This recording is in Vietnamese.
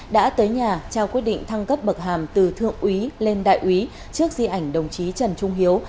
đã tới nhà trao quyết định thăng cấp bậc hàm từ thượng úy lên đại úy trước di ảnh đồng chí trần trung hiếu